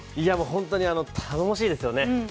本当に頼もしいですよね。